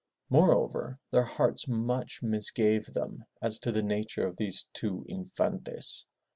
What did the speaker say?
Moreover, their hearts much misgave them as to the nature of these two Infantes.